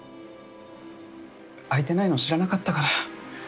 開いてないの知らなかったから。